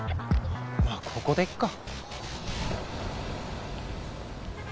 まあここでいっか。